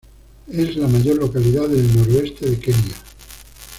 Es la mayor localidad del noroeste de Kenia.